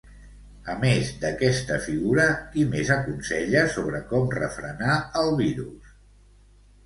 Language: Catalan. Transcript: A més d'aquesta figura, qui més aconsella sobre com refrenar el virus?